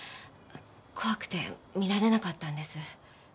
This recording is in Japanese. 怖くて見られなかったんです。